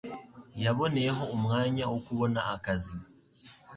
Yaboneyeho umwanya wo kubona akazi.